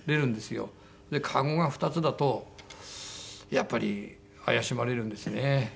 籠が２つだとやっぱり怪しまれるんですね。